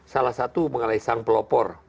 salah satu mengenai sang pelopor